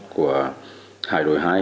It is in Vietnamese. của hải đội hai